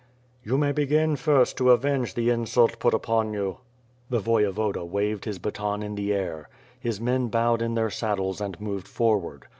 "You may begin first to avenge the insult put upon you." The Voyevoda waved his baton in the air. His men bowed in their saddles and moved forward.